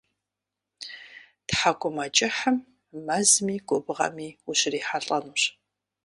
Тхьэкӏумэкӏыхьым мэзми губгъуэми ущрихьэлӏэнущ.